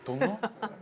ハハハハ！